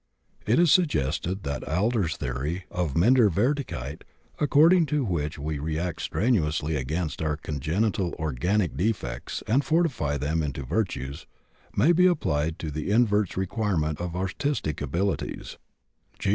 It is suggested that Adler's theory of Minderwertigkeit according to which we react strenuously against our congenital organic defects and fortify them into virtues may be applied to the invert's acquirement of artistic abilities (G.